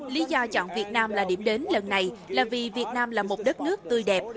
lý do chọn việt nam là điểm đến lần này là vì việt nam là một đất nước tươi đẹp